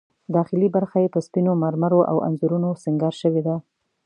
داخلي برخه یې په سپینو مرمرو او انځورونو سینګار شوې ده.